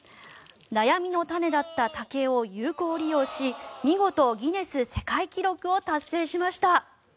悩みの種だった竹を有効利用し見事、ギネス世界記録を達成しました。